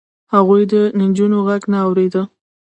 هغوی د نجونو غږ نه اورېد.